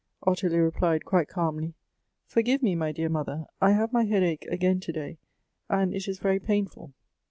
Ottilie replied, quite calmly, 'Forgive me, my dear mother, I have my lieadache again to day, and it is very painful.'